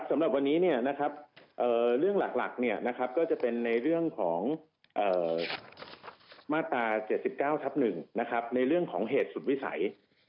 สำหรับวันนี้เรื่องหลักก็จะเป็นในเรื่องของมาตรา๗๙ทับ๑ในเรื่องของเหตุสุดวิสัย